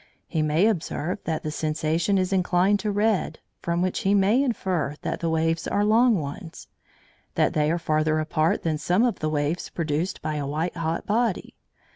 He may observe that the sensation is inclined to red, from which he may infer that the waves are long ones that they are farther apart than some of the waves produced by a white hot body.